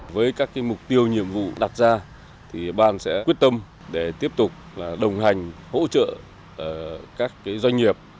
với các mục tiêu nhiệm vụ đặt ra thì ban sẽ quyết tâm để tiếp tục đồng hành hỗ trợ các doanh nghiệp